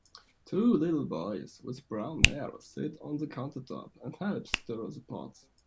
Two little boys with brown hair sit on the countertop and help stir the pots.